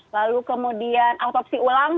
lalu kemudian autopsi ulang